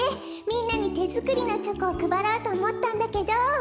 みんなにてづくりのチョコをくばろうとおもったんだけど。